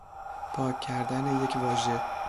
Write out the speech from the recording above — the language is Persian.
پاک کردن یک واژه